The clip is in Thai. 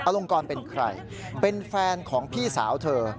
ลงกรเป็นใครเป็นแฟนของพี่สาวเธอ